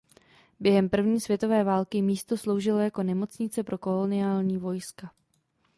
Během první světové války místo sloužilo jako nemocnice pro koloniální vojska.